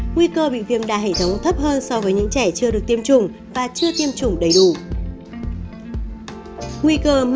nguy cơ bị viêm đa hệ thống thấp hơn so với những trẻ chưa được tiêm chủng và chưa tiêm chủng đầy đủ